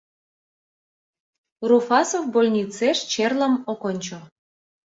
Руфасов больницеш черлым ок ончо.